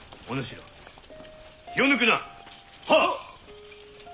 はっ！